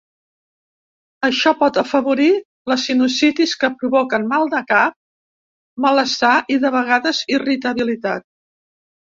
Això pot afavorir la sinusitis que provoquen mal de cap, malestar i de vegades irritabilitat.